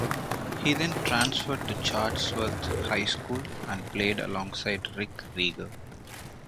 He then transferred to Chatsworth High School and played alongside Rick Rieger.